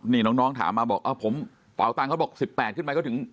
นี่น้องถามมาบอกผมเป่าตังค์เขาบอก๑๘ขึ้นไปก็ถึง